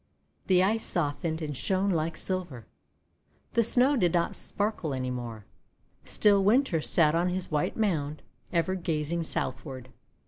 The Ice soft ened and shone like silver. The Snow did not sparkle any more. Still Winter sat on his white mound, ever gazing southward.